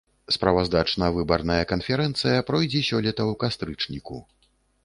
Справаздачна-выбарная канферэнцыя пройдзе сёлета ў кастрычніку.